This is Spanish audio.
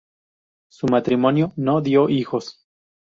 Su matrimonio no dio hijos.